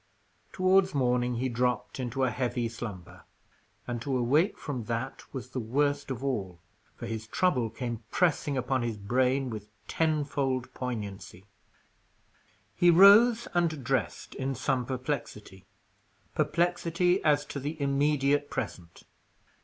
Towards morning he dropped into a heavy slumber; and, to awake from that, was the worst of all; for his trouble came pressing upon his brain with tenfold poignancy. He rose and dressed, in some perplexity perplexity as to the immediate present.